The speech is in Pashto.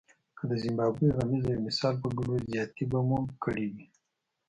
که د زیمبابوې غمیزه یو مثال وګڼو زیاتی به مو کړی وي.